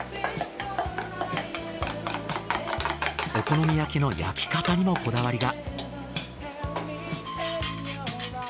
お好み焼きの焼き方にもこだわりが。